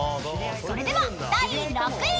［それでは第６位］